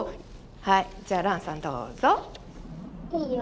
はいじゃあランさんどうぞ。